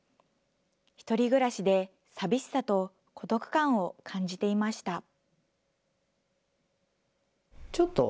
１人暮らしで、寂しさと孤独感を感じていました。